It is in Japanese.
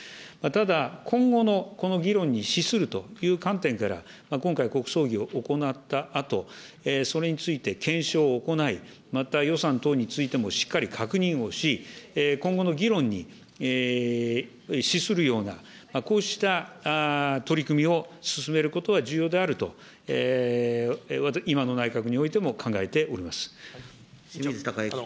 ただ、今後のこの議論に資するという観点から、今回、国葬儀を行ったあと、それについて検証を行い、また予算等についても、しっかり確認をし、今後の議論に資するような、こうした取り組みを進めることは重要であると、今の内閣において清水貴之君。